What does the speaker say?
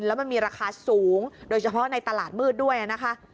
แล้วมันมีราคาสูงโดยเฉพาะในตลาดมืดด้วยนะคะ